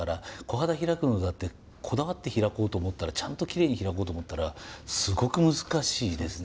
コハダ開くのだってこだわって開こうと思ったらちゃんときれいに開こうと思ったらすごく難しいですね。